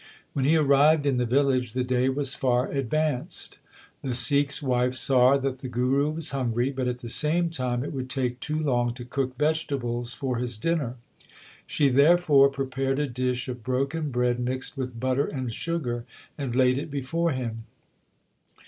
When he arrived in the village the day was far advanced. The Sikh s wife saw that the Guru was hungry, but at the same time it would take too long to cook vegetables for his dinner. She therefore prepared a dish of broken bread mixed with butter and sugar, and laid it before him.